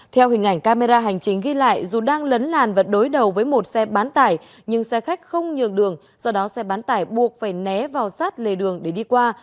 theo hình ảnh camera hành chính ghi lại dù đang lấn làn và đối đầu với một xe bán tải nhưng xe khách không nhường đường do đó xe bán tải buộc phải né vào sát lề đường để đi qua